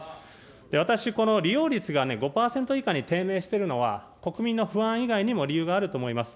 私、この利用率が５％以下に低迷しているのは、国民の不安以外にも理由があると思います。